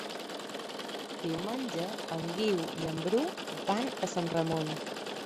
Diumenge en Guiu i en Bru van a Sant Ramon.